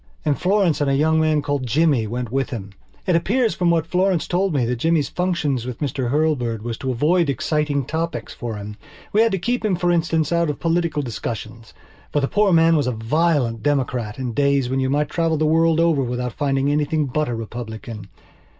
And Florence and a young man called Jimmy went with him. It appears from what Florence told me that Jimmy's function with Mr Hurlbird was to avoid exciting topics for him. He had to keep him, for instance, out of political discussions. For the poor old man was a violent Democrat in days when you might travel the world over without finding anything but a Republican.